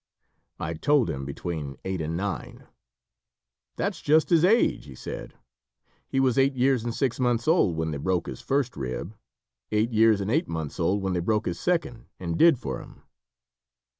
I told him between eight and nine. "That's just his age," he said. "He was eight years and six months old when they broke his first rib; eight years and eight months old when they broke his second, and did for him."